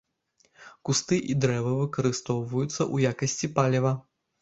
Кусты і дрэвы выкарыстоўваюцца ў якасці паліва.